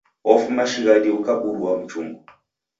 Ofuma shighadi ukaburua mchungu.